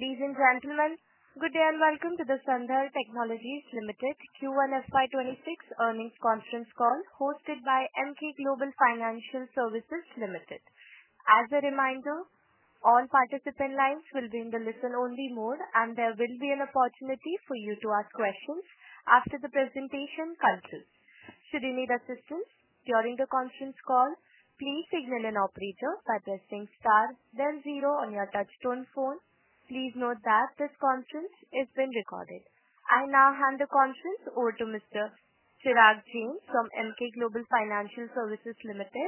Ladies and gentlemen, good day and welcome to the Sandhar Technologies Limited Q1 FY 2026 Earnings Conference Call hosted by MK Global Financial Services Ltd. As a reminder, all participant lines will be in the listen-only mode. There will be an opportunity for you to ask questions after the presentation concludes. Should you need assistance during the conference call, please signal an operator by pressing star then zero on your touch-tone phone. Please note that this conference has been recorded. I now hand the conference over to Mr. Sher Singh from MK Global Financial Services Ltd.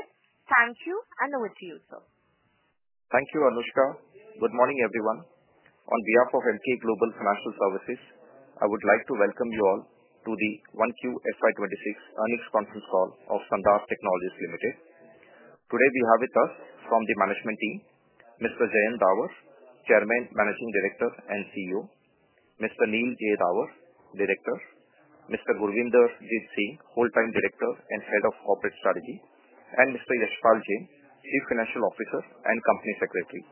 Thank you, and over to you, sir. Thank you, Anushka. Good morning everyone. On behalf of MK Global Financial Services, I would like to welcome you all to the 1Q FY 2026 earnings conference call of Sandhar Technologies Ltd. Today we have with us from the management team Mr. Jayant Davar, Chairman, Managing Director and CEO, Mr. Neil Jayant Davar, Director, Mr. Gurvinder Jeet Singh, Whole Time Director and Head of Corporate Strategy, and Mr. Yashpal Jain, Chief Financial Officer and Company Secretary.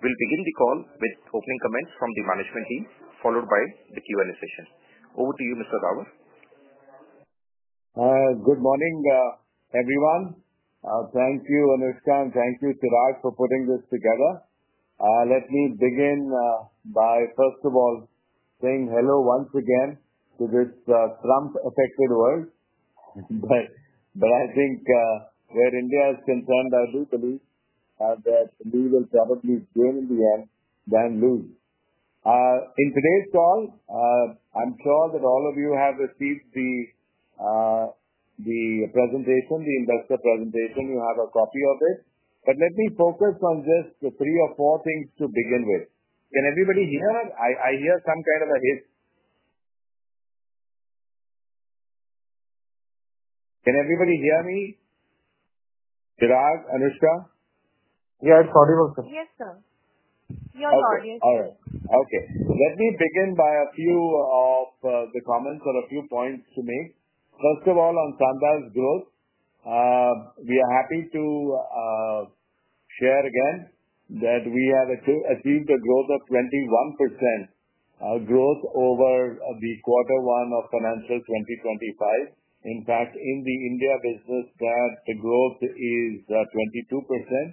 We'll begin the call with opening comments from the management team followed by the Q&A session. Over to you, Mr. Davar. Good morning everyone. Thank you, Anushka, and thank you for putting this together. Let me begin by first of all saying hello once again to this Trump-affected world. I think where India is concerned, I do believe that we will probably win in the end rather than lose in today's call. I'm sure that all of you have received the presentation, the industrial presentation. You have a copy of it. Let me focus on this. Three or four things to begin with. Can everybody hear? I hear some kind of a hit. Can everybody hear me? Sher, Anushka? Yeah. It's audible, sir. Yes, sir. All right. Okay. Let me begin by a few of the comments or a few points to make. First of all on Sandhar's growth. We are happy to share again that we have achieved a growth of 21% over the quarter one of financial 2025. In fact, in the India business, the growth is 22%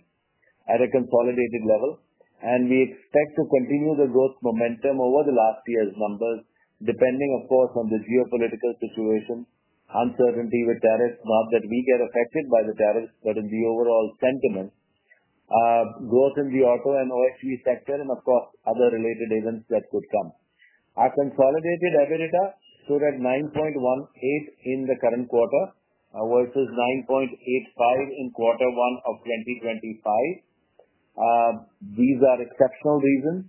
at a consolidated level. We expect to continue the growth momentum over the last year's numbers, depending of course on the geopolitical situation, uncertainty with tariffs. Not that we get affected by the tariffs, but in the overall sentiment growth in the auto and OSG sector and of course other related events that could come. Our consolidated EBITDA stood at 9.18 crore in the current quarter versus 9.85 crore in quarter one of 2025. These are exceptional reasons.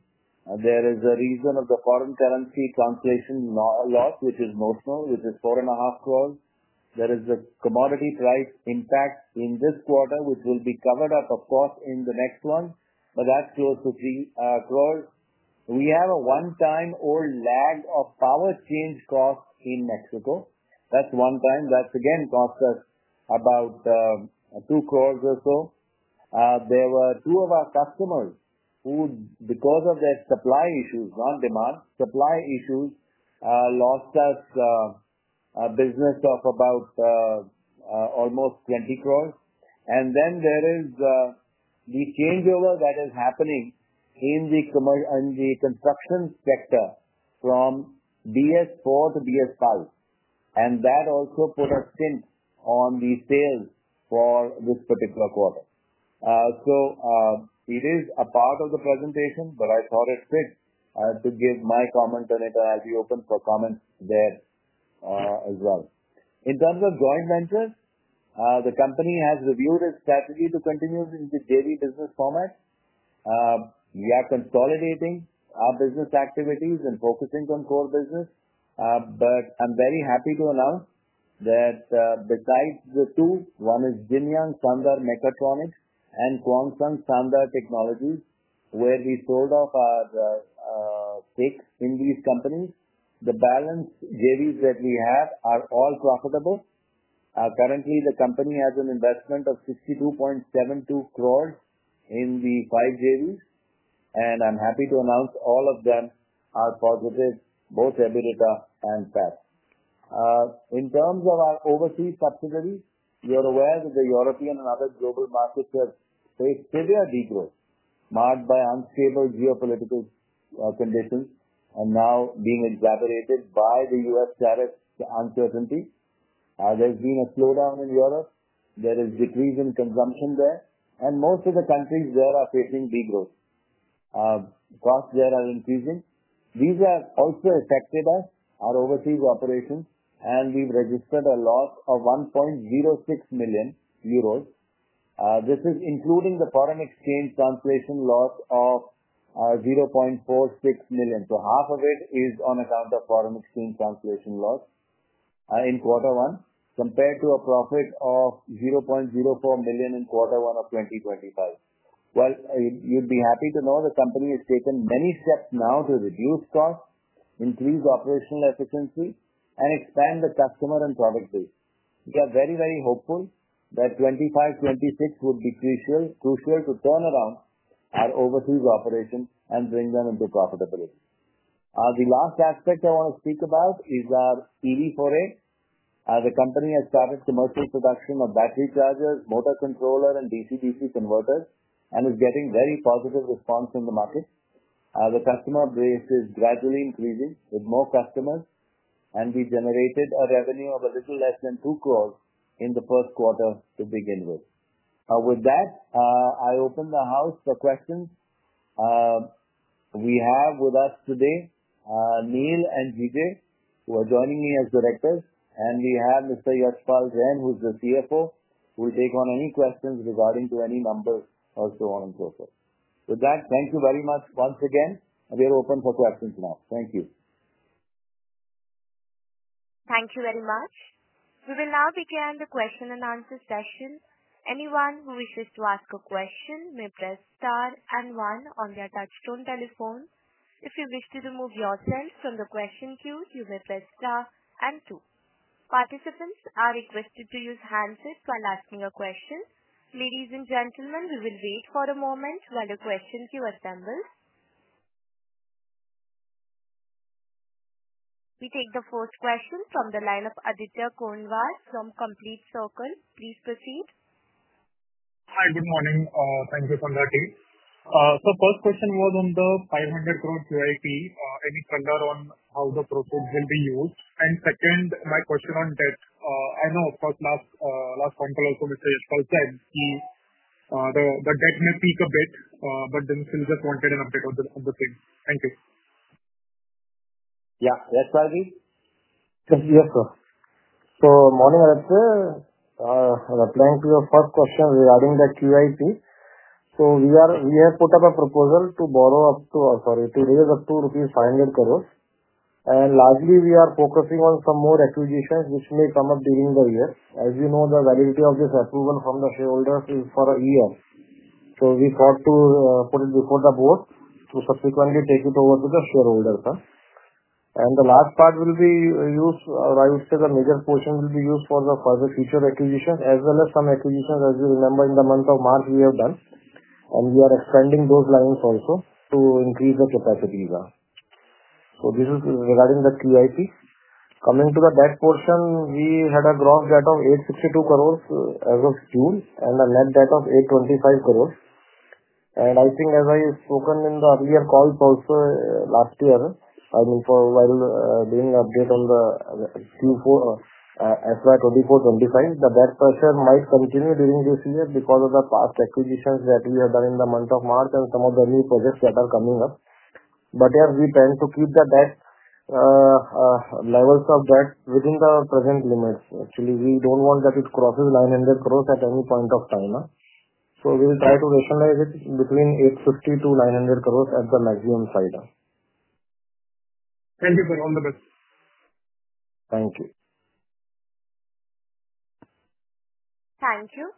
There is a reason of the foreign currency translation loss which is notional, which is 4.5 crore. There is a commodity price impact in this quarter which will be covered up of course in the next one, but that's close to 3 crore. We have a one-time old lag of power change cost in Mexico. That's one time, that's again cost us about 2 crore or so. There were two of our customers who because of their supply issues on demand supply issues lost us a business of about almost 20 crore. There is the changeover that is happening in the commercial in the construction sector from BS4 to BS5 and that also put us in on the sales for this particular quarter. It is a part of the presentation, but I thought it's good I have to give my comment on it as you open for comments there as well. In terms of joint ventures, the company has reviewed its strategy to continue in the daily business format. We are consolidating our business activities and focusing on core business. I'm very happy to announce that besides the two, one is Jinyoung Sandhar Mechatronics and Quang Sandhar Technology where we sold off our six. In these companies, the balance JVs that we have are all profitable. Currently, the company has an investment of 62.72 crore in the 5G and I'm happy to announce all of them are positive, both EBITDA and past. In terms of our overseas subsidiary, you're aware that the European and other global markets have faced severity growth marked by unstable geopolitical conditions, are now being exaggerated by the U.S. tariff uncertainty. There's been a slowdown in Europe, there is decrease in consumption there and most of the countries there are facing degrowth costs, there are increasing. These are also affected by our overseas operations, and we've registered a loss of 1.06 million euros. This is including the foreign exchange translation loss of 0.46 million. Half of it is on account of foreign exchange translation loss in quarter one compared to a profit of 0.04 million in quarter one of 2025. You'd be happy to know the company has taken many steps now to reduce cost, increase operational efficiency, and expand the customer and product base. We are very, very hopeful that 2025-2026 would be crucial to turnaround at overseas operations and bring them into profitability. The last aspect I want to speak about is our PD foray. The company has started commercial production of battery chargers, motor controllers, and DC-AC converters and is getting very positive response in the market. The customer base is gradually increasing with more customers, and we generated a revenue of a little less than 2 crore in the first quarter to begin with. With that, I open the house for questions. We have with us today Neil and Vijay who are joining me as Directors, and we have Mr. Yashpal Jain, who's the CFO, will take on any questions regarding to any number or so on and so forth. With that, thank you very much once again. We are open for questions now. Thank you. Thank you very much. We will now begin the question and answer session. Anyone who wishes to ask a question may press star star and one on their touch-tone telephone. If you wish to remove yourself from the question queue, you may press star and two. Participants are requested to use handsets while asking a question. Ladies and gentlemen, we will wait for a moment while the questions queue assemble. We take the first question from the line of Aditya Konwar from Complete Circle. Please proceed. Hi, good morning. Thank you. First question was on the 500 crore QIP. Any thunder on how the pro will be used? Second, my question on debt. I know, of course, last point also called Chance. The debt may speak a bit, but then since the content and update of the thing. Thank you. Yeah, morning to your first question regarding the QIP. We have put up a proposal to borrow up to authority raise up to INR 500 crore and largely we are focusing on some more acquisitions which may come up during the year. As you know, the validity of this approval from the shareholders is for a year. We thought to put it before the board to subsequently take it over to the shareholder and the last part will be used or I would say the major portion will be used for the further future acquisitions as well as some acquisitions as you remember in the month of March we have done and we are expanding those lines also to increase the capacity. This is regarding the QIP. Coming to the debt portion, we had a gross debt of 862 crore as of school and the net debt of 825 crore. I think as I spoken in the earlier calls also last year, I mean for a while being update on the Q4 FY 2024, FY 2025 the best person might continue during this year because of the past acquisitions that we have done in the month of March and some of the new projects that are coming up. Here we plan to keep the test levels of debt within the present limits. Actually, we don't want that it crosses 900 crore at any point of time. We will try to recognize it between 850 to 900 crore at the maximum side. Thank you for all the best. Thank you. Thank you.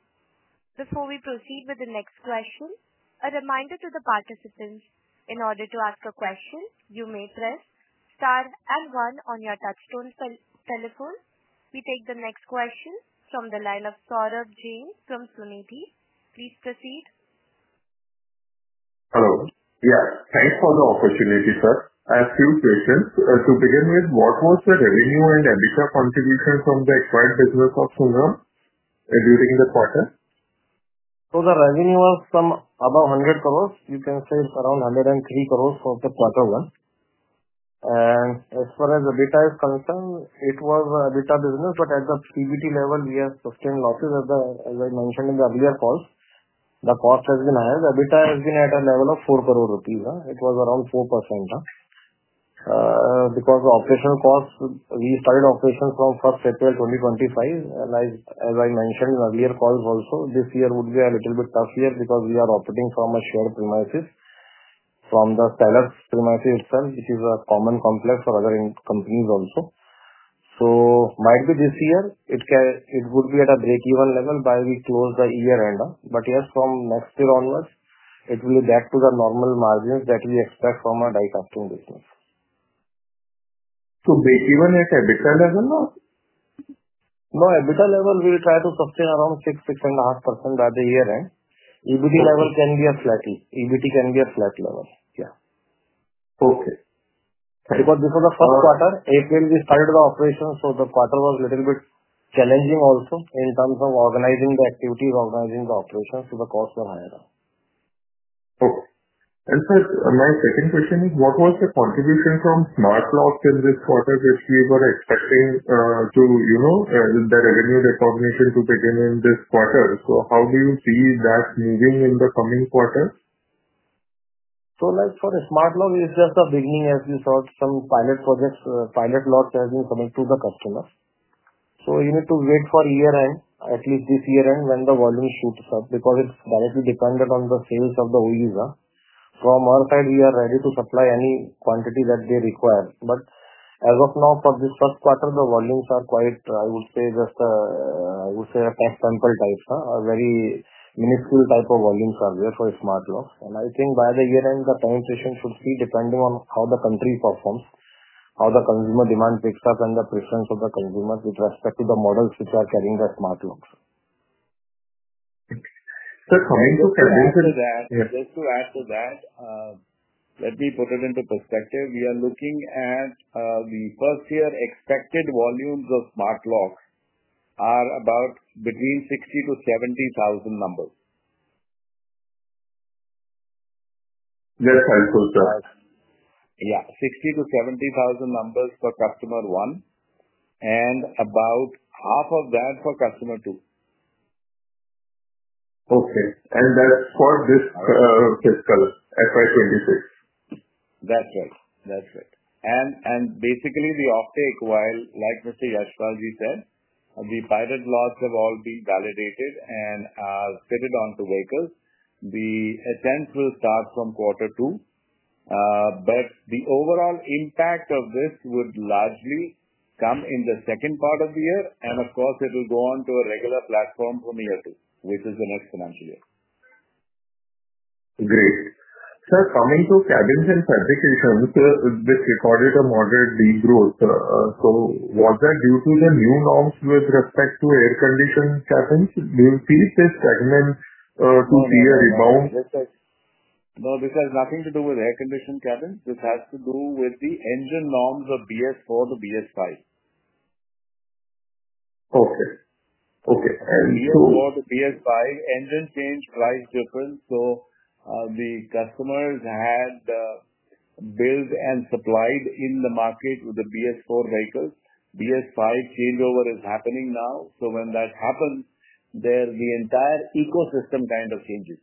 Before we proceed with the next question, a reminder to the participants. In order to ask a question, you may press star star and one on your touchpoint telephone. We take the next question from the line of Saurabh Jain from Sunidhi. Please proceed. Hello. Yeah, thanks for the opportunity sir. I have few questions. To begin with, what was the revenue and EBITDA contribution from the acquired business during the quarter? The revenue was some above 100 crore. You can say it's around 103 crore for the quarter one. As far as the data is concerned, it was a data business. At the PBT level, we have sustained losses. As I mentioned in the earlier calls, the cost has been higher. The EBITDA has been at a level of 4 crore rupees. It was around 4% because operational costs, we started operations from April 1, 2025. As I mentioned in earlier calls also, this year would be a little bit tough because we are operating from a short premises from the seller, stimulating front, which is a common complex for other companies also. This year it can be at a break-even level by the time we close the year. Yes, from next year onwards, it will be back to the normal margins that we expect from our darkness. Even at different levels or not? no EBITDA level, we try to sustain around 6%, 6.5% at the year end. EBD level can be flat. EBT can be a flat level. Yeah. Okay. This was the first quarter APMG started the operation, so the quarter was a little bit challenging also in terms of organizing the activities, organizing the operations. The costs are higher. Okay, my second question is, what was the point you think from smart lock and this, what is, you were expecting to, you know, the revenue recognition to begin in this quarter. How do you see that moving in the coming quarter? For a smart lock, it's just the beginning. As we saw, some pilot projects, pilot lots have been coming to the customers. You need to wait for year end, at least this year end, when the volume shoots up because it's mostly dependent on the sales of the OEM. From our side, we are ready to supply any quantity that they require. As of now, for this first quarter, the volumes are quite, I would say, just a very minuscule type of volume survey for smart locks. I think by the year end, 2020, you should see, depending on how the country performs, how the consumer demand takes us, and the preference of the consumers with respect to the models which are carrying their smart locks. Just to add to that, let me put it into perspective. We are looking at the first year. Expected volumes of smart locks are about between 60,000-70,000 numbers. Yes, I could. Yeah. 60,000 to 70,000 numbers for customer one and about half of that for customer two. Okay. And that for this FY 2026. That's it. Basically, the offtake, like let's say Yashpalji, the pilot lots have all been validated and are fitted onto vehicles. The attempts will start from quarter two, but the overall impact of this would largely come in the second part of the year. Of course, it will go on to a regular platform from year two, which is the next financial year. Great, sir. Coming to cabins and fabrications, this recorded a moderate degrowth. Was that due to the new norms with respect to air-conditioned cabins? Do you see, since second, and could there be a rebound? This has nothing to do with air-conditioned cabins. This has to do with the engine norms of BS4 to BS5. For the BS5 engine change, there's a difference. The customers had built and supplied in the market with the BS4 vehicle. BS5 changeover is happening now. When that happens, the entire ecosystem kind of changes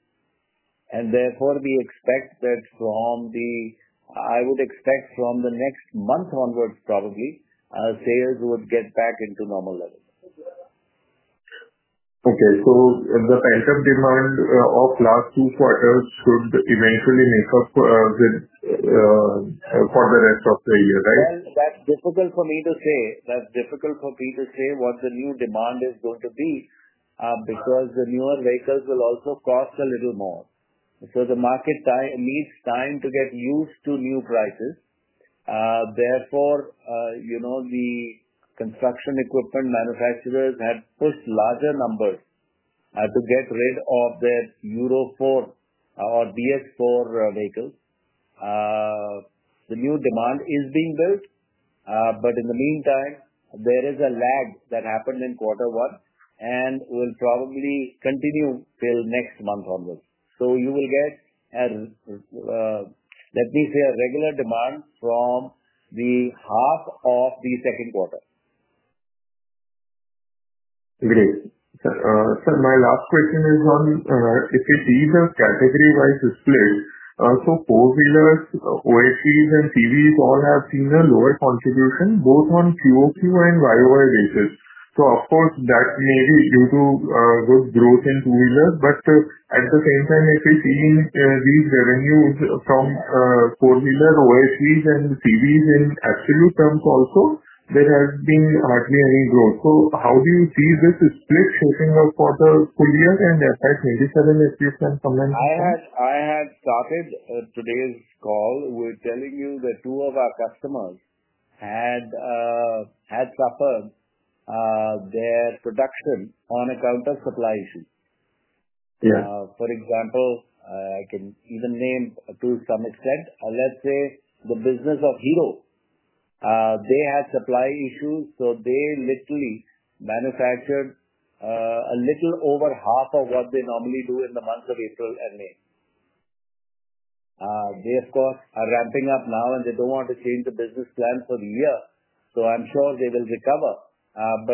and therefore we expect that from the next month onwards, probably sales would get back into normal level. Okay. So the pent-up demand of last two quarters could eventually make up for the rest of the year. That's difficult for me to say. That's difficult for me to say what the new demand is going to be because the newer vehicles will also cost a little more. The market needs time to get used to new prices. Therefore, the construction equipment manufacturers had pushed larger numbers to get rid of those Euro 4 or BS4 vehicles. The new demand is being built, but in the meantime, there is a lag that happened in quarter one and will probably continue till next month onwards. You will get, let me say, a regular demand from the half of the second quarter, please. My last question is on if these are category-wise split. Four wheelers, OICs, and CVs have seen a lower contribution both on QoQ and YoY basis. Of course, that may be due to good growth in two-wheeler. At the same time, if you see these revenues from four wheelers, OICs, and CVs in absolute terms also, there has been hardly any growth. How do you see this split shaping up for the full year and FY 2027, if you can comment. I had started today's call with telling you that two of our customers had suffered their production on account of supply issues. For example, I can even name, to some extent, or let's say the business of Hero. They had supply issues, so they literally manufactured a little over half of what they normally do in the month of April and May. They, of course, are ramping up now, and they don't want to change the business plan for the year. I'm sure they will recover.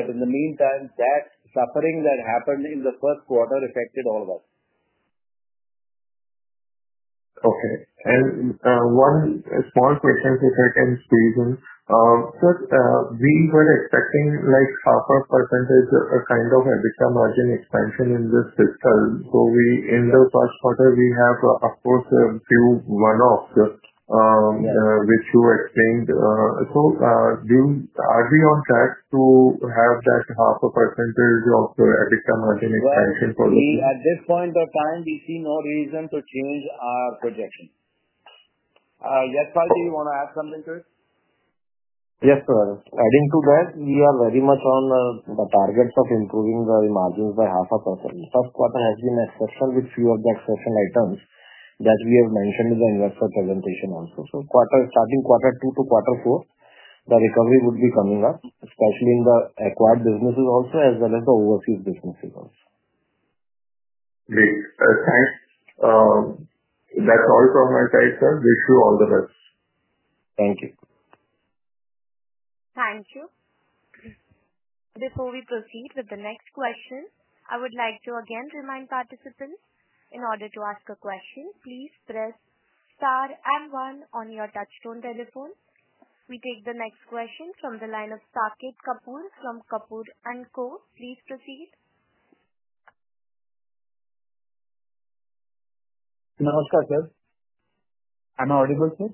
In the meantime, that suffering that happened in the first quarter affected all of us. Okay, and one small question to second Stephen. We were expecting like half of percentage signs of EBITDA margin expansion in this fiscal. In the first quarter, we have, of course, few one-off which you explained. Do you agree on that? To have that half a percentage of EBITDA margin expansion at this point of time, we see no reason to change our projection. Gurvinder, do you want to add something to it? Yes sir. Adding to that, we are very much on the targets of improving the margins by half a quarter. First quarter has been successful with few of the exceptional items that we have mentioned in the investor presentation also. Quarter 2 to quarter 4, the recovery would be coming up, especially in the acquired businesses also as well as the overseas business figures. That's all from my side, sir. Wish you all the best. Thank you. Thank you. Before we proceed with the next question, I would like to again remind participants in order to ask a question, please press star M1 on your touchstone telephone. We take the next question from the line of Saket Kapoor from Kapoor and Co. Please proceed. Am I audible?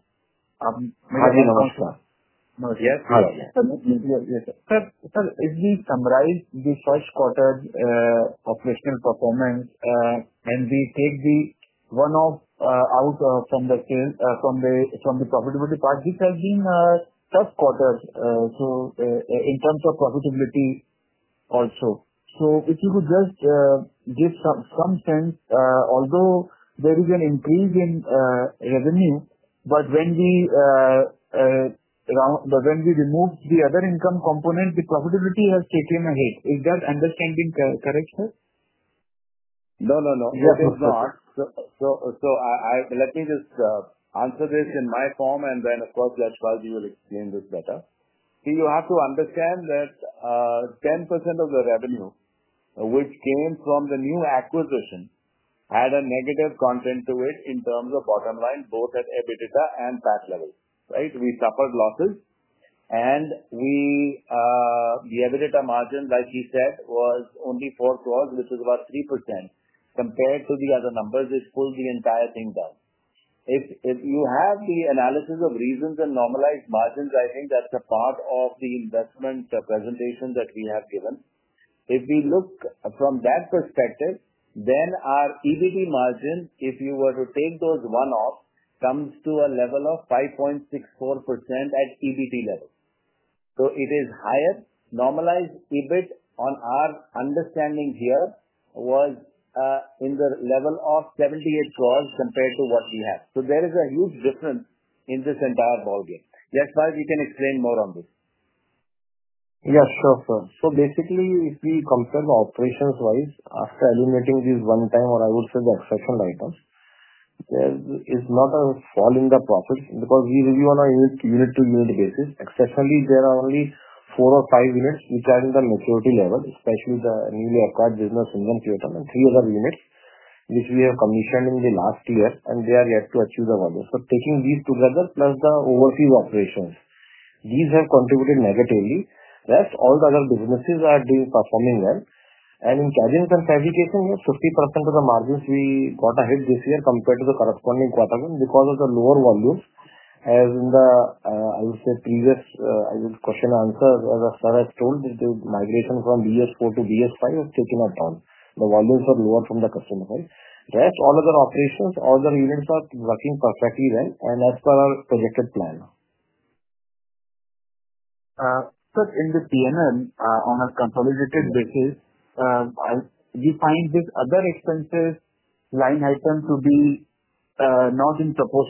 Sir, if we summarize the first quarter operational performance and we take the one-off out from the sale from the profitability part, the pricing first quarter. In terms of profitability also, if you could just give some sense, although there is an increase in revenue, when we remove the other income component, the profitability has taken a hit. Is that understanding correct? No, no, no. Let me just answer this in my form and then of course let's call. You will explain this better. You have to understand that 10% of the revenue which came from the new acquisition had a negative content to it in terms of bottom line, both at EBITDA and PAT level. We suffered losses and the EBITDA margin, like he said, was only 4 crore which is about 3% compared to the other numbers which pulled the entire thing down. If you have the analysis of reasons and normalized margins, I think that's a part of the investment presentation that we have given. If we look from that perspective, then our EBIT margin, if you were to take those one-off, comes to a level of 5.64% at EBIT level, so it is higher. Normalized EBIT on our understanding here was in the level of 78 crore compared to what we have. There is a huge difference in this entire ball game. Just like you can explain more on this. Yes, so basically if we come from operations wise, after eliminating this one-time or I would say boxer from the items, there is not a fall in the property because we review on a unit to unit basis, especially there are only four or five units which are at the maturity level, especially the newly acquired business and few other units which we have commissioned in the last year and they are yet to achieve the value. Taking these together plus the overall operations, these have contributed negatively. All the other businesses are performing well and in casualt and savvy casing at 50% of the margins we got ahead this year compared to the corresponding quarter because of the lower volumes. As in the previous question answer told, the migration from BS4 to BS5 is Chimatan, the wall rates are lower from the customer. Rest all other operations, all the units are working perfectly and as per our projected plan. Sir, in the PNL on a consolidated basis, you find this other expenses line item to be not in support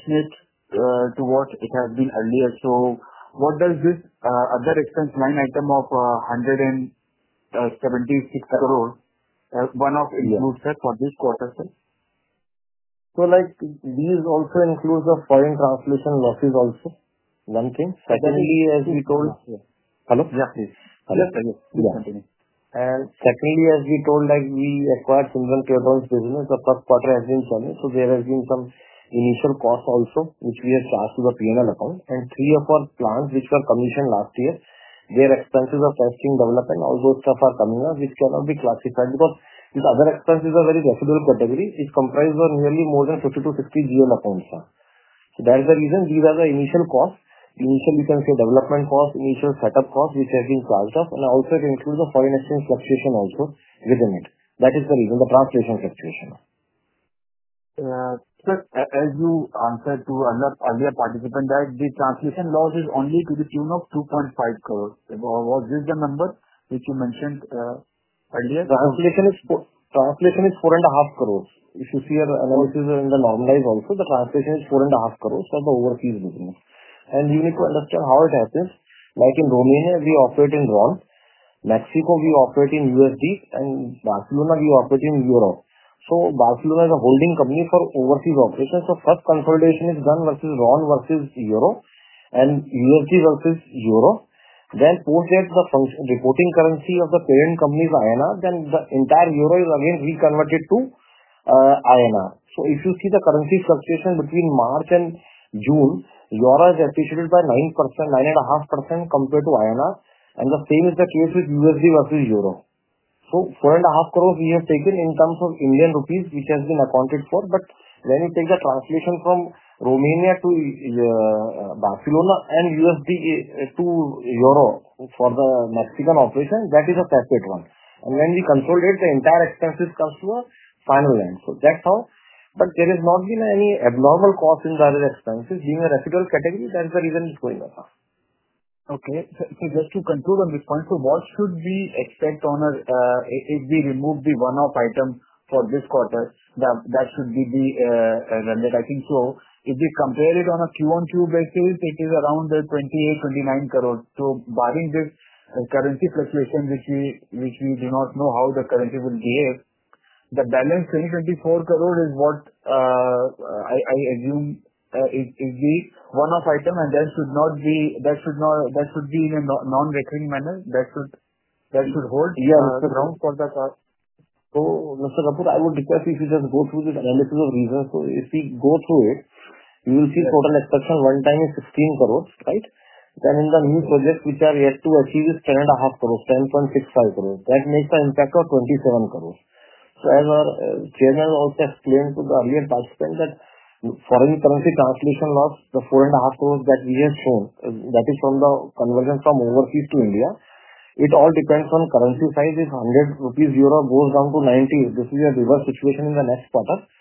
to what it has been earlier. What does this other expense line item of 176 crore of this quarter say? These also include the foreign calculation losses, also nothing. Secondly, as we told, we acquired Sims cables business. The first quarter has been finished, so there have been some initial costs also which we had passed to the P&L account, and three of our plants which were commissioned last year, their expenses are testing, development, all those stuff are coming up which cannot be classified because this other expense is a very category. It's comprised of nearly more than 50-60 accounts, so that is the reason. These are the initial costs, initially you can say development cost, initial setup cost, which has been classed off, and outside include the foreign exchange substitution also within it. That is the reason the translation situation, as you answered to another earlier participant, that the translation loss is only to the tune of 2.5 crore. Was this the number which you mentioned earlier? The application is 4.5 crore. If you see the analysis in the normalize also, the competition is 4.5 crore for the overseas. You need to understand how it happens. Like in Romania, we operate in RON, Mexico we operate in USD, and Barcelona we operate in EUR. Barcelona is a holding company for overseas operations. First consolidation is done versus RON versus EUR and USD versus EUR, then portrait the function reporting currency of the parent company is INR. Then the entire EUR is again reconverted. If you see the currency fluctuation between March and June, EUR is by 9% to 9.5% compared to INR, and the same is the case with USD versus EUR. So 4.5 crore has been taken in terms of Indian rupees, which has been accounted for. When you take the translation from Romania to Barcelona and USD to EUR for the Mexican operation, that is a profit one. When we consolidate, the entire expenses come to a final end. That's how. There has not been any abnormal cost in various expenses in a referred category. That is the reason it's going on. Okay, just to conclude on this point, what should we expect on our, if we remove the one-off item for this quarter? that should be the render. I think if you compare it on a Q1Q bright case, it is around 28 crore-29 crore. Barring this currency fluctuation, which we do not know how the currency will, the balance 32 crore-34 crore is what I assume is the one-off item. There should not be. That should not. That should be in a non-recurring manner. That should. That should hold. I would request if you just go through this analysis of reasons. If you go through it you will see total exception 1x is 15 crore. In the new projects which are yet to achieve is 10.65 crore. That makes the impact of 27 crore. As our Chair has also explained to the earlier participant, that foreign currency translation loss, the 4.5 crore that we have shown, that is from the conversion from overseas to India. It all depends on currency size. If INR 100 goes down to 90, this is a reverse situation in the next product,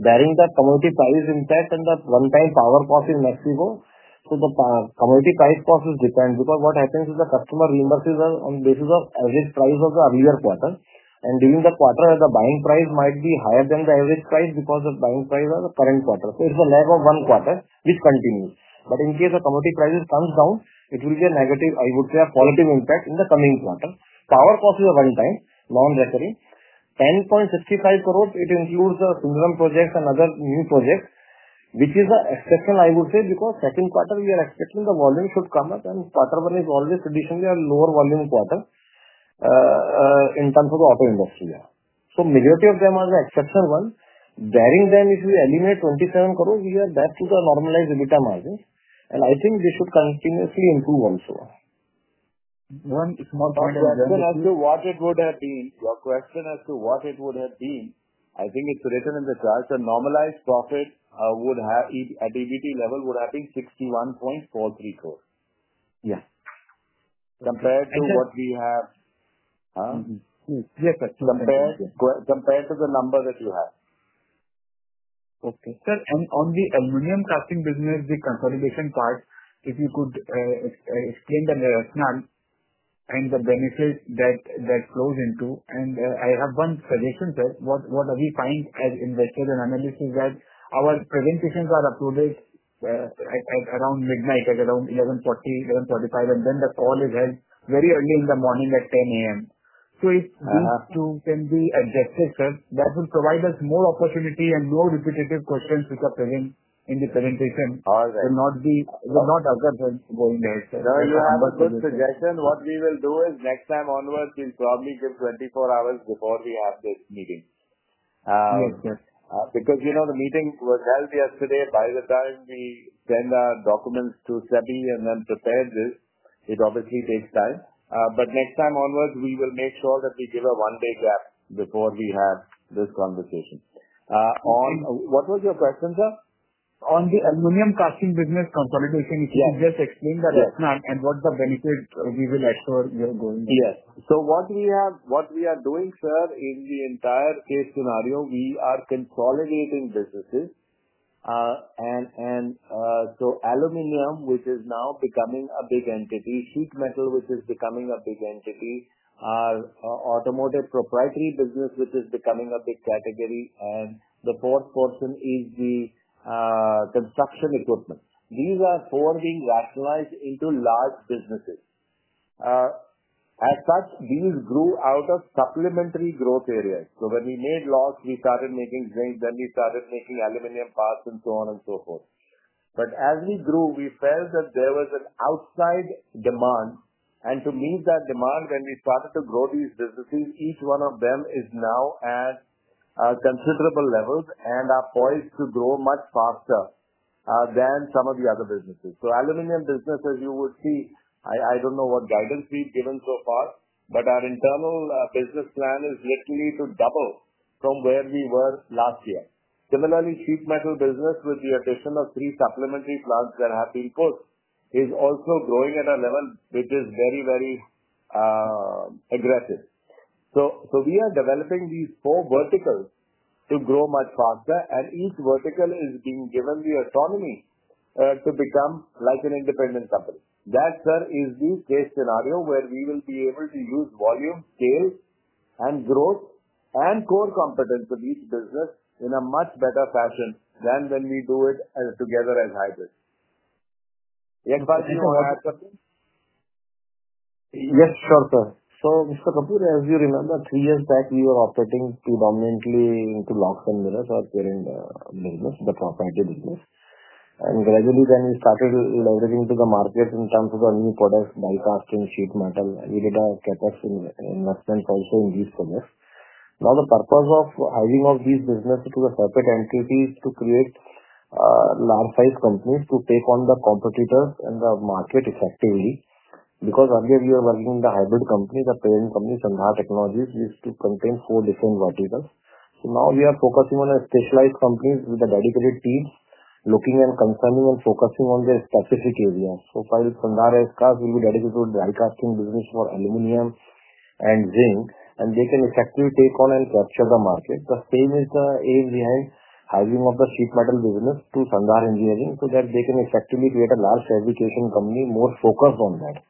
bearing the commodity price intact and that one-time power cost in Mexico. The commodity price cost is dependent because what happens is the customer reimburses us on basis of your pattern, and during the quarter the buying price might be higher than the average price because of buying price of the current quarter, it's a lag of one quarter. This continues. In case the commodity prices come down, it will be a positive impact in the coming quarter. Power cost is a one-time long recurring 10.65 crore. It includes the TUNAM projects and other new projects, which is an exception, I would say, because second quarter we are expecting the volume could come up and quarter one is always traditionally a lower volume quarter in terms of the auto industry. Majority of them are the exceptional one, bearing then if we eliminate 27 crore, we are back to the normalized EBITDA margins and I think they should continuously improve. Also, what it would have been, a question as to what it would have been. I think it's written in the chart, a normalized profit would have at EBITDA level would, I think, INR 61.434 crore. Yes, compared to what we have, compared to the number that you have. Okay sir, on the aluminum die casting business, the consolidation part, if you could change the narration and the benefit that flows into. I have one suggestion sir, what we find as investors and analysts is that our presentations are uploaded around midnight at around 11:40, 11:45. and then the call is held very early in the morning at 10:00 A.M., so if you can adjust that sir, that will provide us more opportunity and more repetitive questions because in the presentation. All right, not a big issue. What we will do is next time onwards you probably give 24 hours before we have this meeting because you know the meeting was held yesterday. By the time we send our documents to SEBI and then prepare this, it obviously takes time. Next time onwards we will make sure that we give a one day gap before we have this conversation. What was your question, sir, on the aluminum die casting business component? If you just explained that last night and what the benefits are going. So what we have, what we are doing, sir, in the entire case scenario, we are consolidating businesses. Aluminum, which is now becoming a big entity. Sheet metal, which is becoming a big entity. Our automotive proprietary business, which is becoming a big category, and the fourth portion is the construction equipment. These are being rationalized into large businesses. As such, these grew out of supplementary growth areas. When we made loss, we started making zinc. Then we started making aluminum parts and so on and so forth. As we grew, we felt that there was an outside demand, and to meet that demand, when we started to grow these businesses, each one of them is now at considerable levels and are poised to grow much faster than some of the other businesses. Aluminum business, as you would see, I don't know what guidance we've given so far, but our internal business plan is literally to double from where we were last year. Similarly, sheet metal business, with the addition of three supplementary plants and appeals, is also growing at a level which is very, very aggressive. We are developing these four verticals to grow much faster, and each vertical is being given the autonomy to become like an independent company. That, sir, is the case scenario where we will be able to use volume, scale, growth, and core competence for these businesses in a much better fashion than when we do it together and hybrid. As you remember, three years back we were operating predominantly into locks and mirrors or during the proprietary business, and gradually then we started leveraging to the markets in terms of our new products. In sheet metal, we did a set of investment also in these. The purpose of hiving off these businesses to the corporate management is to create large size companies to take on the competitors and the market effectively. Because earlier you are working in the hybrid company, the parent companies and our technologies used to contain four different verticals. Now we are focusing on specialized companies with dedicated teams looking and confirming and focusing on the specific area. Pilot Sundaram Escast will be dedicated to aluminum die casting business for aluminum and zinc and they can effectively take on and capture the market. The same is the aim behind hiring of the sheet metal business to Sandhar Engineering so that they can effectively create a large fabrication company more focused on that.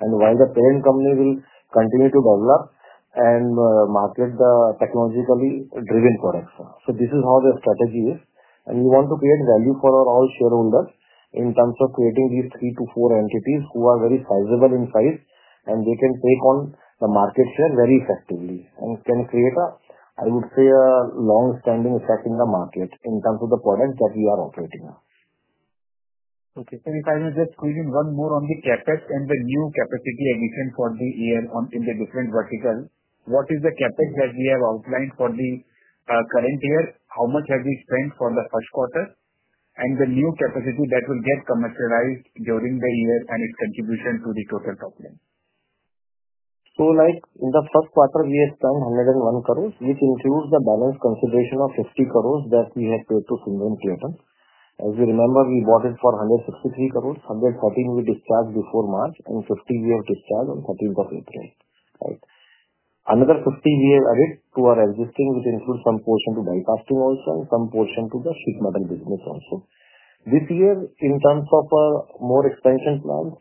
While the parent companies will continue to develop and market the technologically driven products. This is how the strategy is and you want to create value for all shareholders in terms of creating these three to four entities who are very sizable in size and they can take on the market share very effectively and can create a, I would say, a long standing effect in the market in terms of the product that we are operating now. Okay, can we finally just clear in one more on the CapEx and the new capacity addition for the year in the different vertical. What is the CapEx that we have outlined for the current year? How much have we spent for the first quarter and the new capacity that will get commercialized during the year and its contribution to the total top line. In the first quarter we have some 101 crore which includes the balance consideration of 50 crore that we had paid to single pay attention. As you remember, we bought it for 163 crore. 114 crore we discharged before March and 50 crore we have discharged on 14th of April. Another 50 crore is to our existing which includes some portion to bypassing also and some portion to the sheet metal business. Also this year in terms of more expansion plans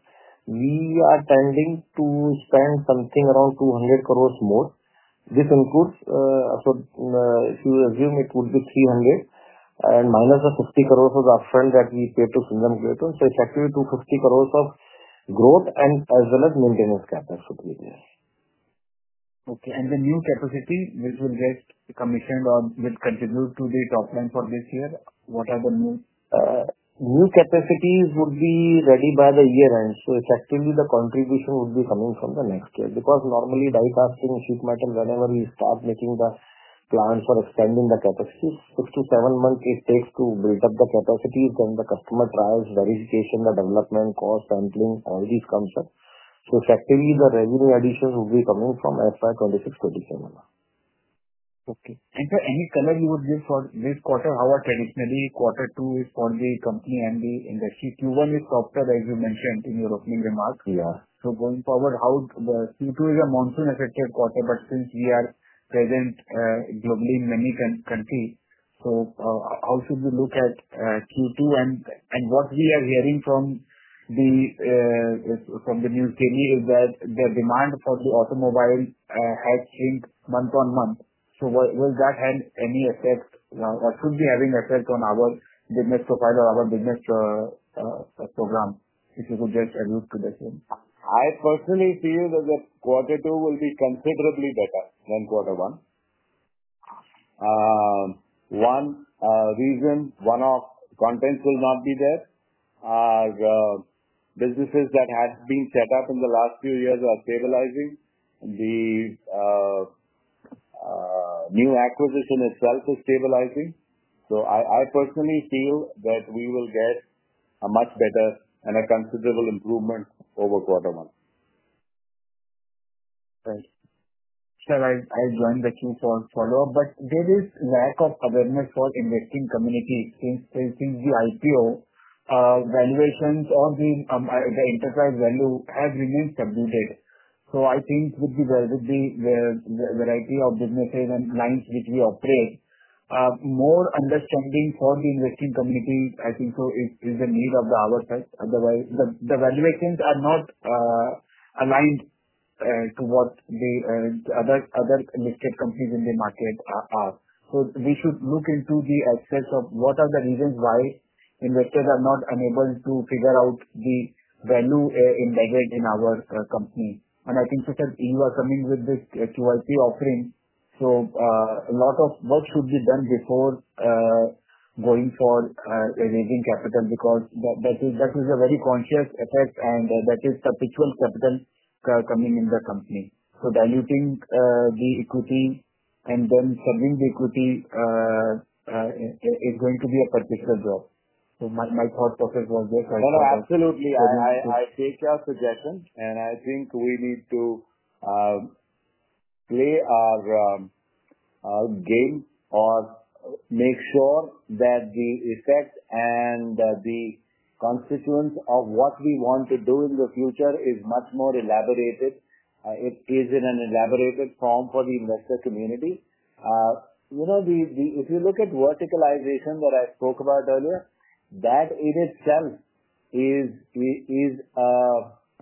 we are tending to spend something around 200 crore more. This includes, so if you assume it would be 300 crore and -50 crore of the upfront that we paid to Sundaram Glue. It's a few to 50 crore of growth and as well as maintenance capacity there. Okay and the new capacity which will get commissioned or will continue to the top line for this year, what are the new capacities would be ready by the year end. It's actually the contribution would be coming from the next year because normally die casting, sheet metal, whenever we start making the plans or extending the capacity, six to seven months it takes to build up the capacity, then the customer trials, verification, the development cost, handling all these concepts. Factory, the revenue additions will be coming from FY 2026-FY 2027. Okay, any comment you would give for this quarter? How traditionally quarter two is for the company and the industry? Q1 is softer as you mentioned in your opening remarks. Yeah. Going forward, Q2 is a monsoon-affected quarter, but since we are present globally in many countries, how should we look at Q2? What we are hearing from the new theory is that the demand for the automobile has changed month on month. Will that have any effect, what could be having effect on our business profile or our business program? If you would just. I personally feel that quarter two will be considerably better than quarter one. One reason, one of the contents will not be there. Businesses that have been set up in the last few years are stabilizing. The new acquisition itself is stabilizing. I personally feel that we will get a much better and a considerable improvement over quarter one. Sir, I joined the Q follow up, but there is lack of awareness for investing community. Since the IPO, valuations on the enterprise value have remained subdued. I think with the variety of businesses and lines which we operate, more understanding for the investing community is the need of the hour. Otherwise, the valuations are not aligned towards the other listed companies in the market. They should look into the access of what are the reasons why investors are not unable to figure out the value and leverage in our company. I think you are coming with this QIP offering, so a lot of work should be done before going for raising capital because that is a very conscious effect on that is capital coming in the company, so diluting the equity and then sending the equity is going to be a purposeful drop. My thought process was this. Absolutely. I see trust exactly. I think we need to play our game or make sure that the effect and the constituents of what we want to do in the future is much more elaborated. It is in an elaborated form for the investor community. You know the. The. If you look at verticalization that I spoke about earlier, that in itself is a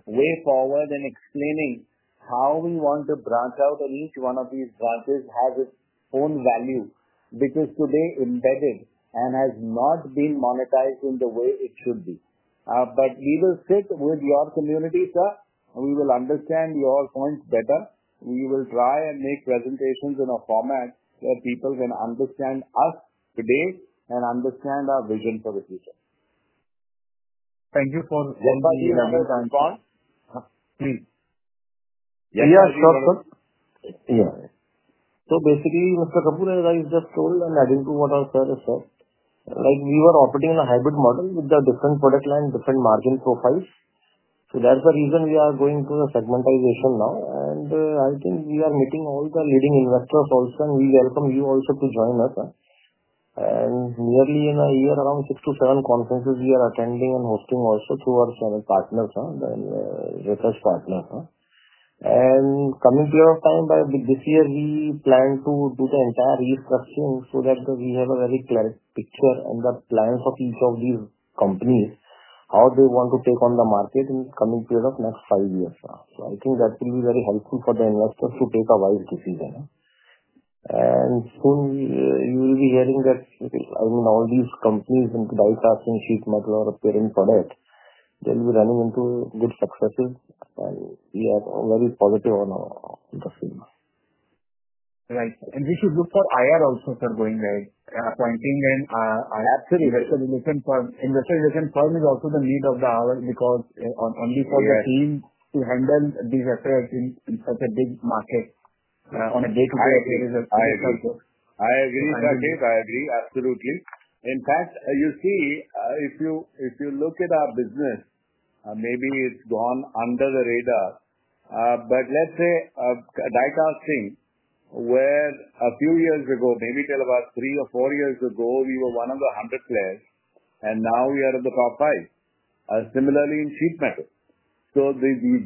way forward, and explaining how we want to branch out on each one of these branches has its own value. Because today embedded and has not been monetized in the way it should be. We will sit with your community, sir. We will understand your points better. We will try and make presentations in a format where people can understand us today and understand our vision for the future. Thank you. Mr. Kapoor, I just told and adding to what our care is, like we were operating in a hybrid model with the different product line, different margin profiles. That's the reason we are going to the segmentization now. I think we are meeting all the leading investors also, and we welcome you also to join us. Nearly in a year, around six to 10 conferences we are attending and hosting also through our partners, and in the coming period of time, by this year, we plan to do the entire restructuring so that we have a very clarity picture on the plans of each of these companies, how they want to take on the market in the coming period of next five years. I think that will be very helpful for the investors to take a while decision, and soon you will be hearing that all these companies, die casting, sheet marketing products, they'll be running into good successes. Yeah, very positive because in my. right and we should look for IR also, sir. Going right, pointing and firm is also the need of the hour because only for the team to handle these affairs in such a big market on a day to day. I agree. I agree absolutely. In fact, if you look at our business, maybe it's gone under the radar. Let's say a die casting where a few years ago, maybe till about three or four years ago, we were one of the hundred players and now we are at the top five, similarly in sheet metal. The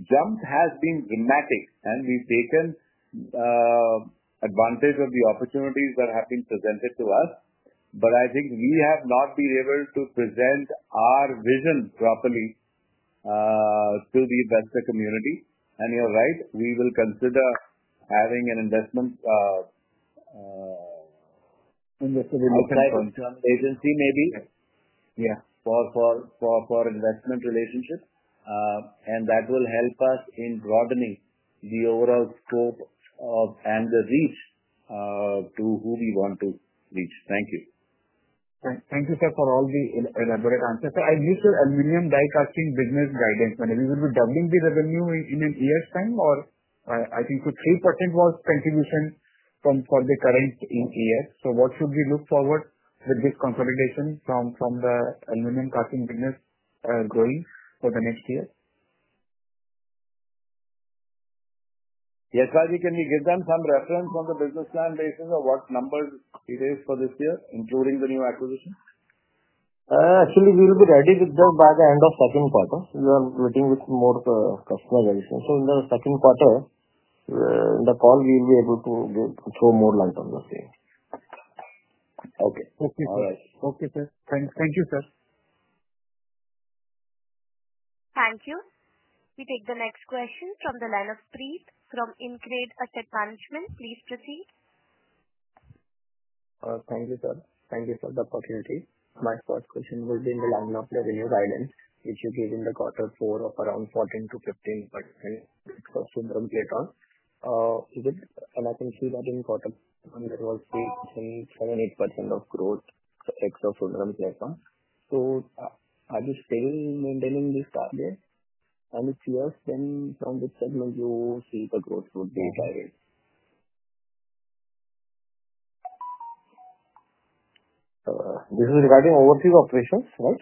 jump has been dramatic and we've taken advantage of the opportunities that have been presented to us. I think we have not been able to present our vision properly to the venture community. You're right, we will consider having an investment agency maybe for investment relationships, and that will help us in broadening the overall scope of and the reach to who we want to reach. Thank you. Thank you, sir, for all the elaborate answer. I reached. Aluminum die casting business guidance will be doubling the revenue in an ES time or I think for 3% was contribution from for the current year. What should we look forward with this consolidation from the aluminum die casting business going for the next year? Yes. Raji, can you give them some reference on the business plan rations or what numbers details for this year including the new acquisition? Actually, we will be ready with that by the end of second quarter meeting with more customer addition. In the second quarter the call we will be able to show more light on the same. Okay. Okay. Thanks. Thank you sir. Thank you. We take the next question from the line of Preet from InCred Asset Management. Please proceed. Thank you, sir. Thank you for the opportunity. My first question will be in the line of revenue guidance issued in quarter four of around 14%-15%. Is it that important of crores? Are we spending in maintaining this target? And it's your STEM transit segment. You see the growth would go by it. This is regarding overseas operations, right?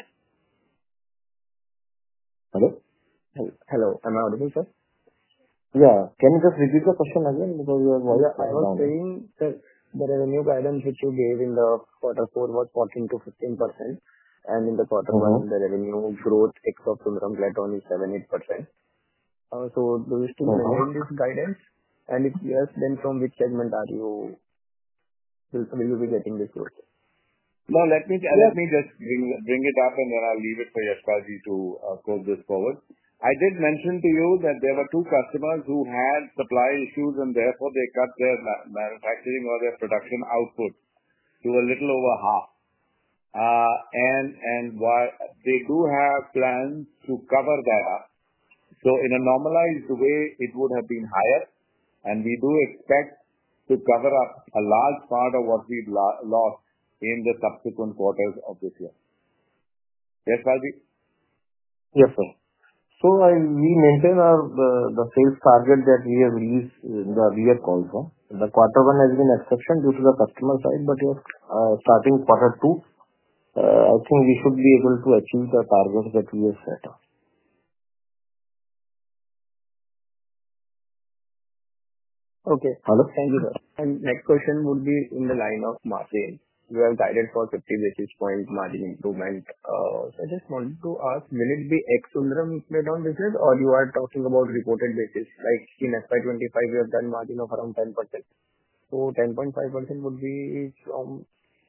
Hello. Hello. Am I audible, sir? Yeah. Can you just repeat the question again? Because I was saying there is a new guidance which you gave in quarter four was 14%-15%. In quarter one, the revenue growth comes at only 7%-8%. Do you still know in this guidance, and if yes, then from which segment will you be getting this growth? Let me just bring it up and then I'll leave it for Yashpalji to pull this forward. I did mention to you that there were two customers who had supply issues, and therefore they cut their manufacturing or their production output to a little over half. They do have plans to cover the gap. In a normalized way, it would have been higher, and we do expect to cover up a large part of what we've lost in the subsequent quarters of this year. Yes, sir. We maintain our sales target that we have released in the recent console. Quarter one has been affected due to the customer side, but starting quarter two, I think we should be able to achieve the targets that we have set up. Next question would be in the line of margin. You have guided for 50 basis points margin improvement. I just wanted to ask, will it be extrapolated on EBITDA or are you talking about reported basis? Like in FY 2025, we have done margin of around 10%. So 10.5% would be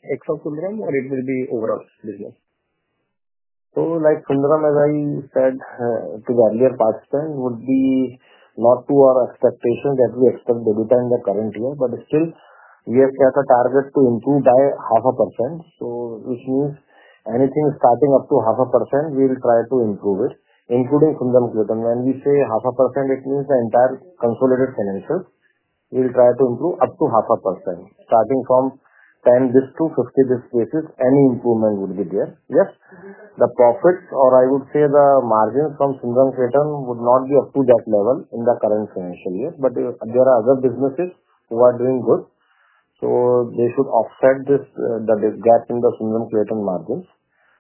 each of them or it will be overall business? Like Sundaram, as I said to you earlier, performance would be not to our expectation that we extend in the current year, but still we have targets to improve by half a percent. Which means anything starting up to half a percent, we'll try to improve it, including Kundam Gitan. When we say half a percent, it means the entire consolidated finances will try to improve up to half a percent, starting from 10 basis to 50 basis, any improvement would be there. Yes, the profits or I would say the margin from Sundaram's return would not be up to that level in the current financial year, but there are other businesses who are doing good, so they should offset this gap in the Sundaram pattern margins.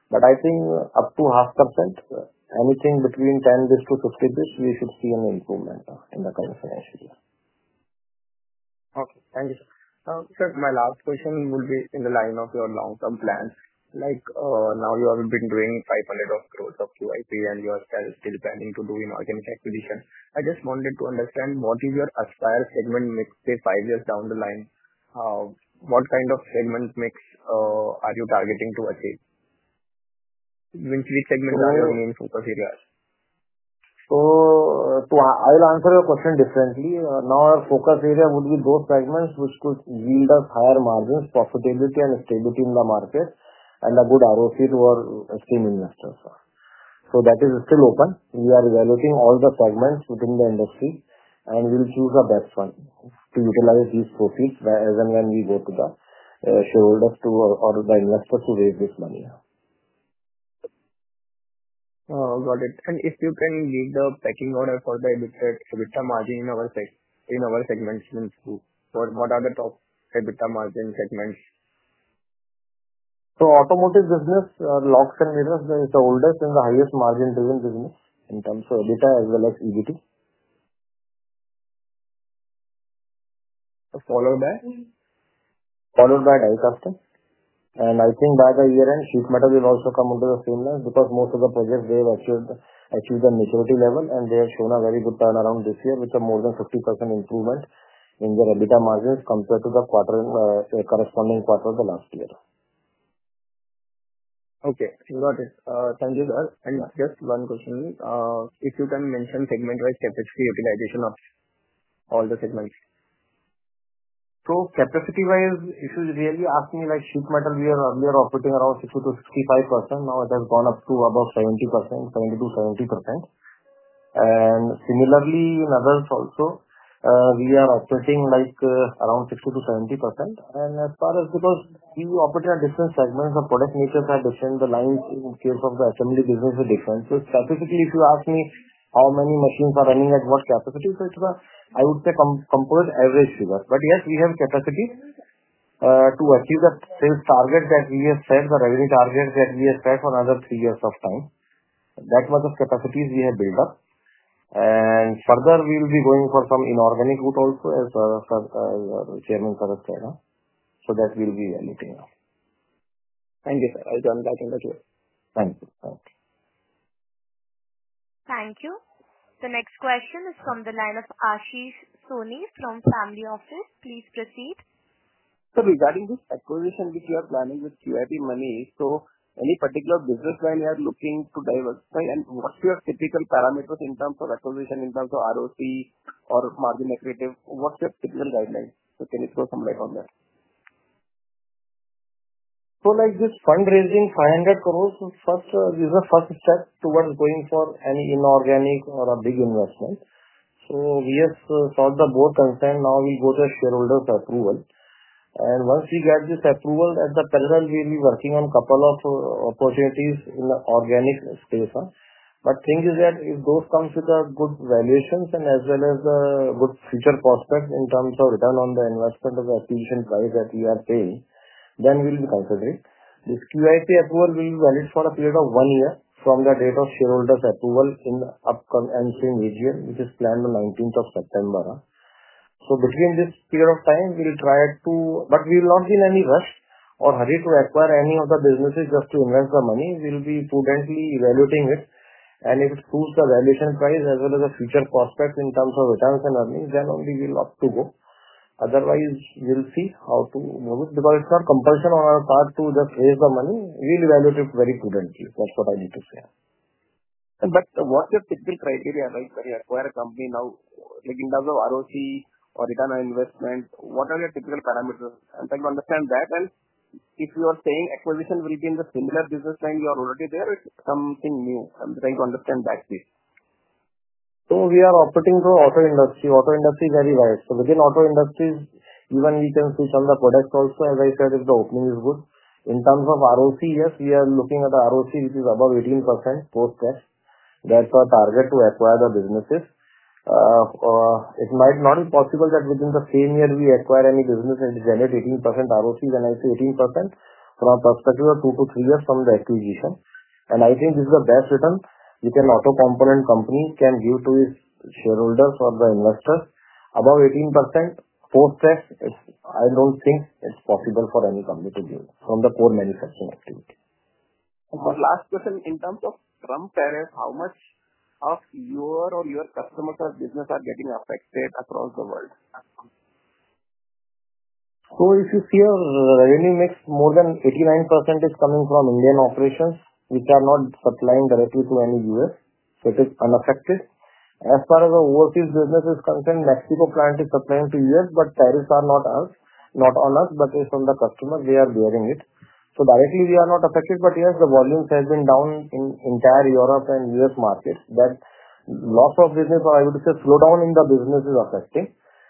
I think up to half percentage anything between 10 just to succeed this we should see an improvement in the coming. My last question would be in the line of your long term plans like now you have been doing 500 crores of QIP and you are still planning to do your market acquisition. I just wanted to understand what is your aspire segment mix say five years down the line what kind of segment mix are you targeting to achieve? I will answer your question differently. Now our focus area would be those fragments which could yield us higher margins, profitability, and stability in the market and a good ROC to our esteem investors. That is still open. We are evaluating all the segments within the industry and we'll choose the best one to utilize these proceeds as and when we go to the shareholders or the investor to raise this money. Got it. If you can leave the pecking order for the margin in our segment, what are the top EBITDA margin segments? Automotive business locks and headers is the oldest, is the highest margin driven business in terms of as well as EBITDA, smaller bag followed by die casting and I think by the year end sheet metal will also come under the stimulus because most of the projects they've achieved the equity level and they have grown a very good turnaround this year with a more than 50% improvement in their EBITDA margins compared to the corresponding quarter of the last year. Okay, got it. Thank you sir. Just one question. If you can mention segment wise FHC utilization option all the segments. Capacity wise if you really ask me, like sheet metal we were earlier operating around 60% to 65%. Now it has gone up to above 70%, 70% to 75% and similarly in others also we are operating like around 60% to 70%. As far as because you operate at different segments or product makers are the same, the lines in terms of business are different. Statistically, if you ask me how many machines are running at what capacity, I would say composite average figure. Yes, we have capacities to achieve that. This target that we have set, the revenue targets that we expect for another three years of time, that much of capacities we had built up. Further, we will be going for some inorganic route also as well as Chairman. That will be anything else. If I done that in the tour. Thank you. Okay. Thank you. The next question is from the line of Ashish Soni from Family Office. Please proceed. Regarding this acquisition which you are planning with QIP money, any particular business value you are looking to diversify and what's your typical parameters in terms of acquisition? In terms of ROC or margin accretive, what's your typical guideline? Can you throw some light on that? This fundraising of 500 crores, first use is the first step towards going for any inorganic or a big investment. We have sought the board's understanding. Now we go to a shareholder approval, and once we get this approval, in parallel we will be working on a couple of opportunities in the organic space. The thing is that it comes with good valuations as well as good future prospects in terms of return on the investment or acquisition price that you have paid. Then we will be considering this. QIP approval will be valid for a period of one year from the date of shareholders' approval in the upcoming region which is planned on 19th of September. Between this period of time, we are required to, but we will not be in any rush or hurry to acquire any of the businesses just to invest the money. We will be prudently evaluating it, and if it proves the valuation price as well as the future prospects in terms of returns and earnings, then only we'll opt to go. Otherwise, you'll see how to move it, because it's not a compulsion or a car to just raise the money. We really value this very prudently. That's what I need to say. What's your technical criteria, right? When you acquire a company now, like in terms of ROC or return on investment, what are your technical parameters? I'm trying to understand that. If you are saying acquisition will be in the similar business line you are already there, is it something new? I'm trying to understand that. We are operating through auto industry, auto industry very wise. Within auto industries, even we can switch on the products also. As I said, if the opening is good in terms of ROC, yes, we are looking at the ROC which is above 18% post cost. That's a target to acquire the businesses. It might not be possible that within the same year we acquire any business and generate 18% ROC. Then I see 18% from our perspective two to three years from the acquisition, and I think this is the best return which an auto component company can give to its shareholders or the investors. About 18% post checks, I don't think it's possible for any company to deal from the core manufacturing activity. Last question. In terms of Trump tariffs, how much of your or your customer business are getting affected across the world? If you see our revenue mix, more than 89% is coming from Indian operations, which are not supplying directly to any U.S., so it is unaffected. As far as the overseas business is concerned, the Mexico plant is supplying to the U.S., but tariffs are not on us; it's from the customers. They are bearing it, so directly we are not affected. Yes, the volumes have been down in the entire Europe and U.S. markets. That loss of business, or I would say slowdown in the business, is affecting.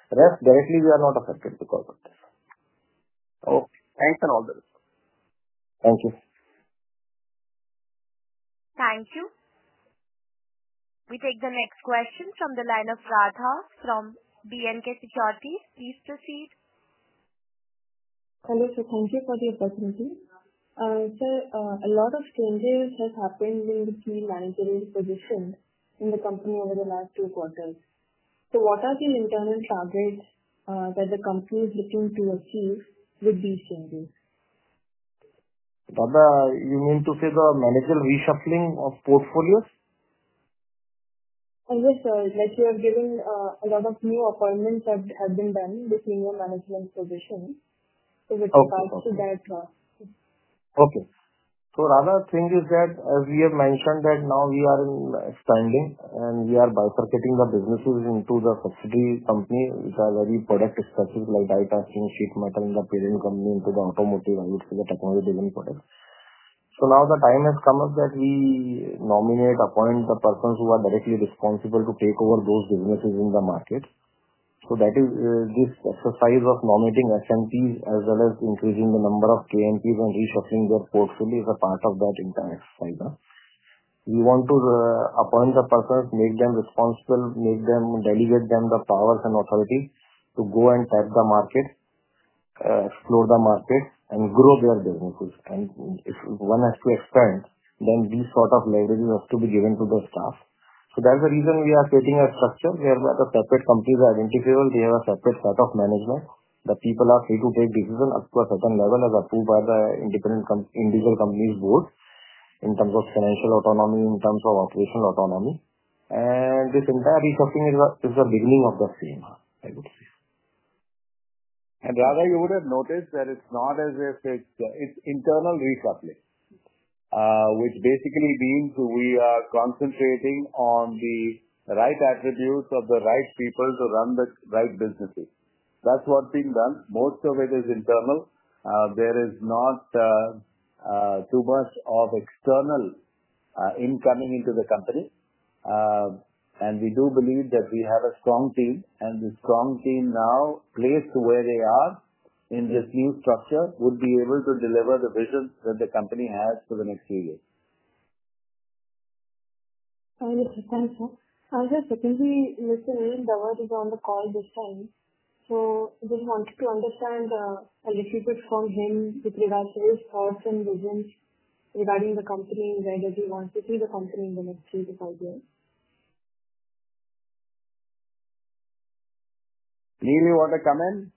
Rest directly we are not affected because of this. Okay, thanks. Okay. Thank you. We take the next question from the line of Radha Agarwalla from BNK Securities. Please proceed. Hello sir. Thank you for the opportunity. A lot of changes have happened in between management position in the company over the last two quarters. What are the internal standards that the company is looking to achieve with these changes? You mean to say the manager reshuffling of portfolios. Yes, like we are giving a lot of new appointments have been done with new management positions. Okay. Rather, the thing is that as we have mentioned, now you understand we are bifurcating the businesses into the subsidiary company, which are very productive successes like data. Now the time has come that we nominate, appoint the persons who are directly responsible to take over those businesses in the market. This exercise of nominating attempts as well as increasing the number of KMPs and resourcing their portfolio is a part of that entire process. We want to appoint the person, make them responsible, delegate them the powers and authority to go and tap the market, explore the market, and grow their businesses. If one has to extend, then these sort of languages have to be given to the staff. That's the reason we are creating a custom whereby the separate companies are identifiable. They have a separate set of management. The people are free to take decisions up to a certain level as approved by the independent individual companies' board in terms of financial autonomy, in terms of operational autonomy, and this entire refurbishing is the beginning of the same. Rather, you would have noticed that it's not as if it's internal refurbishment, which basically means we are concentrating on the right attributes of the right people to run the right businesses. That's what's been done. Most of it is internal. There is not too much of external incoming into the company. We do believe that we have a strong team, and the strong team now placed where they are in this new structure would be able to deliver the vision that the company has for the next few years. I have, secondly, Mr. on the call this time. We wanted to understand and defeated from him regarding the company legacy wants to keep the company in the next three to five years. Neem, you want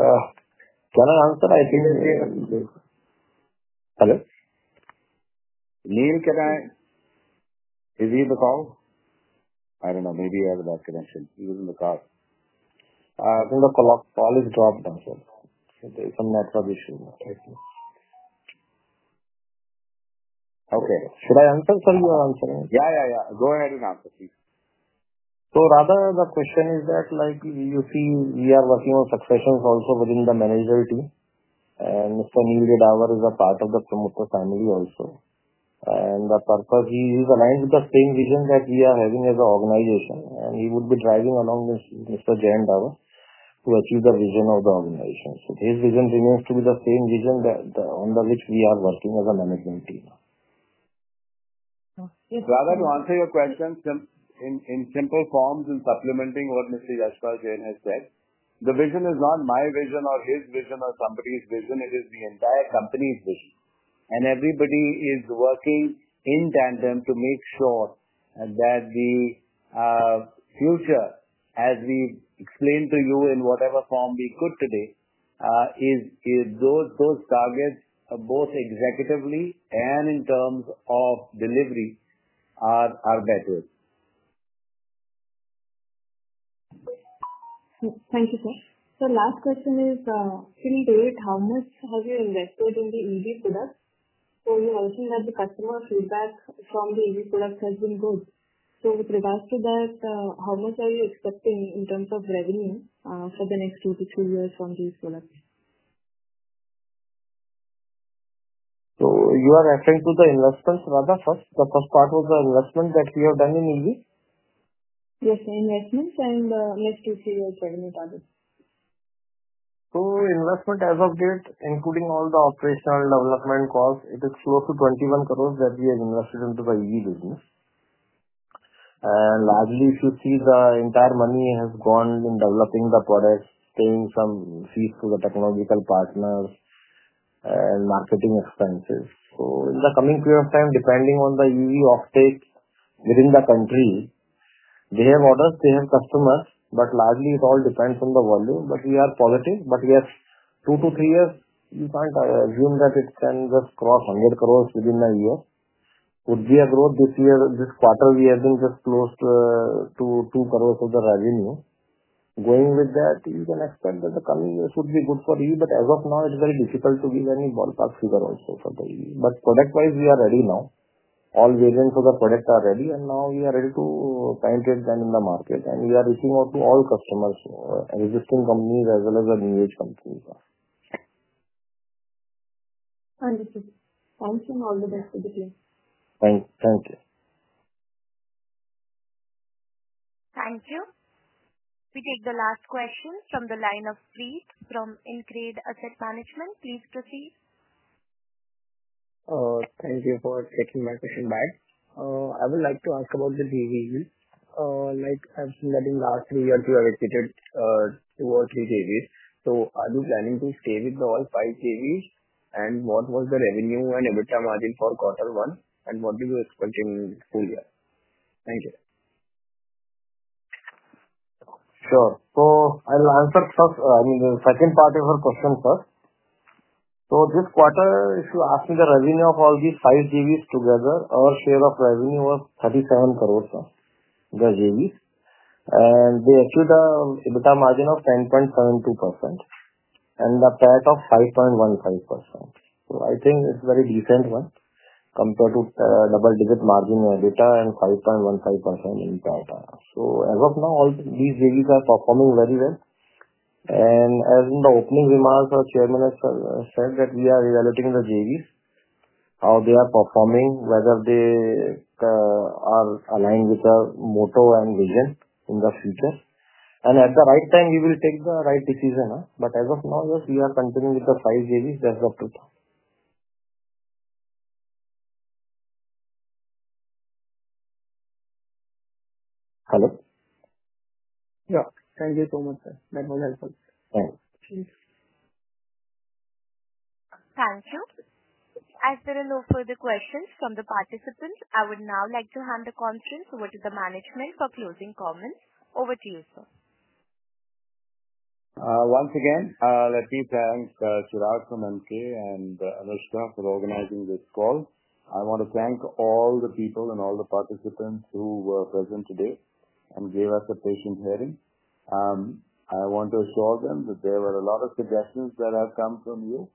to come in? Is he on the call? I don't know. Maybe he has a bad connection. He was in the car. Okay, should I answer, sir? You are answering? Yeah, yeah, go ahead and answer. Rather, the question is that like you see, we are working on successions also within the management team and familiar is a part of the promoter family also. The purpose is he is aligned with the same vision that we are having as an organization. He would be driving along with Mr. Jayant Davar to achieve the vision of the organization. His vision remains to be the same vision that under which we are working as a management team. Rather, to answer your question in simple forms and supplementing what Mr. Yashpal Jain has said, the vision is not my vision or his vision or somebody's vision. It is the entire company's vision and everybody is working in tandem to make sure that the future as we explained to you in whatever form we could today is those targets both executively and in terms of delivery are better. Thank you, sir. The last question is, till date, how much have you invested in the EV product? You have seen that the customer feedback from the EV products has been good. With regards to that, how much are you expecting in terms of revenue for the next two to three years from these products? You are referring to the investments. The first part was the investment that we have done in evaluation. Yes, next to your academy. Investment as of yet, including all the operational development costs, is close to 21 crore that we have invested into the E business. Largely, if you see, the entire money has gone in developing the product, paying some fees to the technological partners, and marketing expenses in the coming period of time depending on the UE offtake within the country. They have orders, they have customers. Largely, it all depends on the volume. We are positive. Yes, two to three years. You can't assume that it sends us across 100 crore within a year. This year, this quarter, we have been just close to 2 crore of the revenue. Going with that, you can expect that the coming years would be good for you. As of now, it's very difficult to give any ballpark figure also. Product wise, we are ready now. All variants of the product are ready, and now we are ready to kind it then in the market. We are reaching out to all customers, existing companies as well as a new age. Awesome. All the best for the team. Thank you. Thank you. We take the last question from the line of Pree from Increased Asset Management. Please proceed. Thank you for taking my question back. I would like to ask about the daily. Like I've seen that in the last three years you have exited two or three JVs. Are you planning to stay with all five JVs? What was the revenue and EBITDA margin for quarter one and what do you expect in the full year? Thank you. Sure. I'll answer the second part of your question first. This quarter, if you ask me, the revenue of all these five JVs together, our share of revenue was 37 crore. The JVs achieved an EBITDA margin of 10.72% and a PAT of 5.15%. I think it's very decent compared to double-digit margin and 5.15%. As of now, all these JVs are performing very well. As in the opening remarks, our Chairman has said that we are evaluating the JVs, how they are performing, whether they are aligned with the motto and vision. In the future, at the right time, we will take the right decision. As of now, we are continuing with the five JVs. That's the truth. Hello. Yeah, thank you so much, sir. That was helpful. Thanks. Thank you. As there are no further questions from the participants, I would now like to hand the conference over to the management for closing comments. Over to you, sir. Once again, let me thank Sher Sighn from MK and Anushka for organizing this call. I want to thank all the people and all the participants who were present today and gave us a patient hearing. I want to assure them that there were a lot of suggestions that have come from you,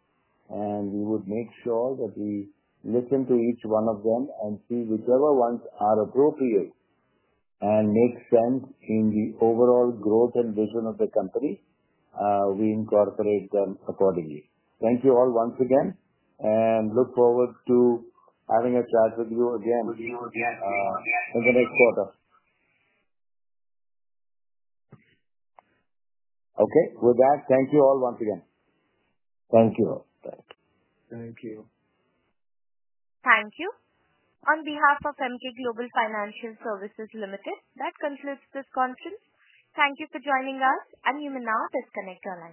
and we would make sure that we listen to each one of them and see whichever ones are appropriate and make sense in the overall growth and vision of the company. We incorporate them accordingly. Thank you all once again and look forward to having a chat with you again in the next quarter. Thank you all once again. Thank you. Thank you. Thank you. On behalf of MK Global Financial Services Ltd., that concludes this conference. Thank you for joining us. You may now disconnect your line.